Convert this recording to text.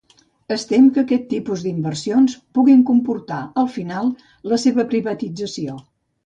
Es tem que aquest tipus d’inversions puguin comportar, al final, la seva privatització.